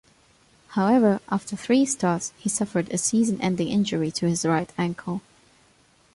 However, after three starts, he suffered a season-ending injury to his right ankle.